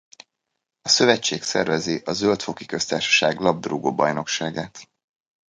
A szövetség szervezi a Zöld-foki Köztársaság labdarúgó-bajnokságát.